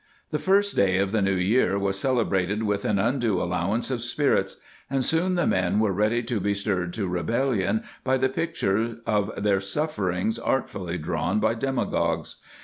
The first day of the new year was celebrated with an undue allowance of spirits, and soon the men were ready to be stirred to rebellion by the pict ure of their sufferings artfully drawn by dema gogues.